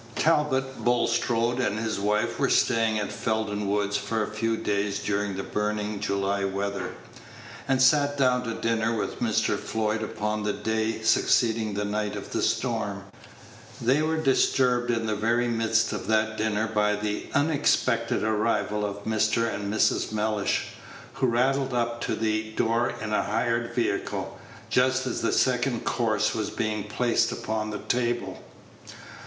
Talbot Bulstrode and his wife were staying at Felden Woods for a few days during the burning July weather, and sat down to dinner with Mr. Floyd upon the day succeeding the night of the storm. They were disturbed in the very midst of that dinner by the unexpected arrival of Mr. and Mrs. Mellish, who rattled up to the door in a hired vehicle, just as the second course was being placed upon the table.